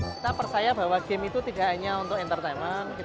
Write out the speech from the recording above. kita percaya bahwa game itu tidak hanya untuk entertainment